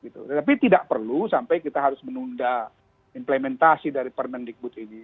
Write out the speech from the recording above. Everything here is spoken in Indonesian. tapi tidak perlu sampai kita harus menunda implementasi dari permendikbud ini